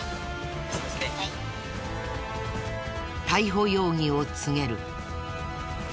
逮捕容疑を告げる。